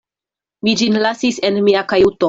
Mi ĝin lasis en mia kajuto.